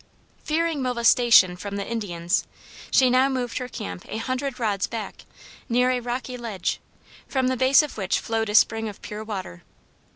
Fearing molestation from the Indians, she now moved her camp a hundred rods back, near a rocky ledge, from the base of which flowed a spring of pure water.